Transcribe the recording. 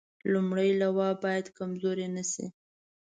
لومړنۍ لواء باید کمزورې نه شي.